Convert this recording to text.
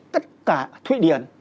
tất cả thụy điển